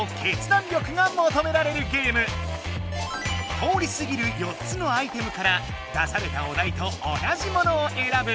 通りすぎる４つのアイテムから出されたお題と同じものをえらぶ。